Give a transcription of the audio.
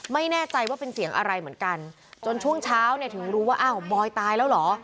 ไม่แน่ใจว่าเป็นเสียงอะไรเหมือนกันจนช่วงเช้าเนี่ยถึงรู้ว่าอ้าวบอยตายแล้วเหรอ